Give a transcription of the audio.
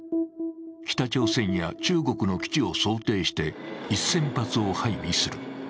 北朝鮮や中国の基地を想定して１０００発を配備する。